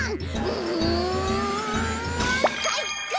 うんかいか！